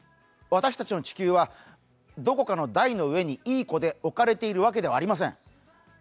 私たちの地球はどこかの台の上にいい子で置かれてるわけではありません。